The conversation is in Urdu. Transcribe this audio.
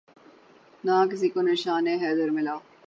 نہ کسی کو نشان حیدر ملا